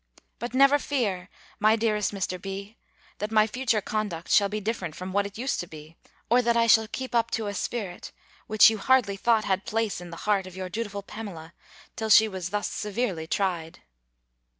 But never fear, my dearest Mr. B., that my future conduct shall be different from what it used to be, or that I shall keep up to a spirit, which you hardly thought had place in the heart of your dutiful Pamela, till she was thus severely tried."